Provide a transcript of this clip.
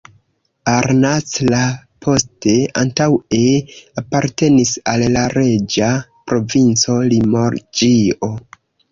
Arnac-la-Poste antaŭe apartenis al la reĝa provinco Limoĝio.